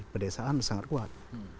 pedesaan sangat kuat